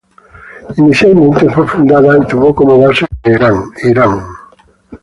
Inicialmente fue fundada y tuvo como base Teherán, Irán.